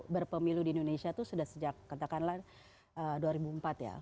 berpemilu di indonesia itu sudah sejak katakanlah dua ribu empat ya